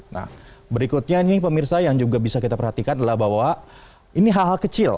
nah berikutnya nih pemirsa yang juga bisa kita perhatikan adalah bahwa ini hal hal kecil